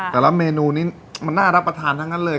แต่ละเมนูนี้มันน่ารับประทานทั้งนั้นเลย